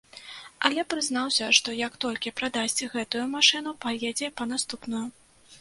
Але прызнаўся, што як толькі прадасць гэтую машыну, паедзе па наступную.